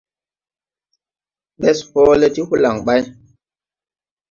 Ɓɛs hɔɔle ti holaŋ ɓay.